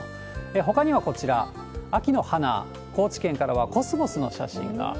ほかにはこちら、秋の花、高知県からはコスモスの写真が。